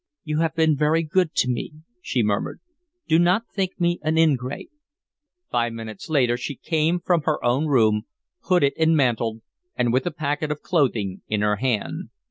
"You have been very good to me," she murmured. "Do not think me an ingrate." Five minutes later she came from her own room, hooded and mantled, and with a packet of clothing in her hand.